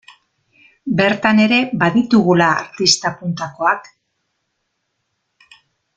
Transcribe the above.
Bertan ere baditugula artista puntakoak.